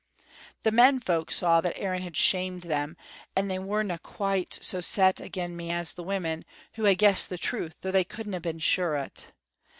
"The men folk saw that Aaron had shamed them, and they werena quite so set agin me as the women, wha had guessed the truth, though they couldna be sure o't.